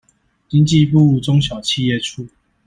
經濟部中小企業處